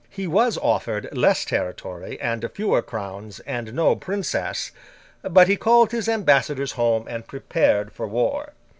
He was offered less territory and fewer crowns, and no princess; but he called his ambassadors home and prepared for war.